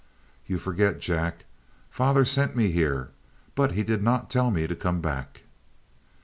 "You forget, Jack. Father sent me here, but he did not tell me to come back."